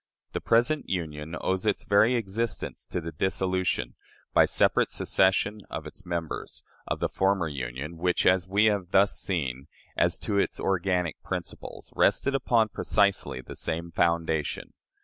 " The present Union owes its very existence to the dissolution, by separate secession of its members, of the former Union, which, as we have thus seen, as to its organic principles, rested upon precisely the same foundation.